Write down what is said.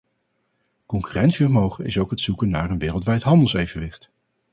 Concurrentievermogen is ook het zoeken naar een wereldwijd handelsevenwicht.